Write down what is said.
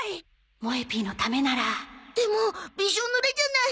もえ Ｐ のためならでもびしょぬれじゃない！